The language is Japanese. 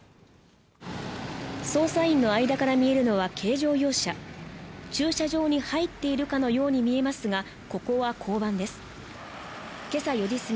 捜査員の間から見えるのは軽乗用車駐車場に入っているかのように見えますがここは交番です